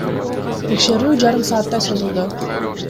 Текшерүү жарым сааттай созулду.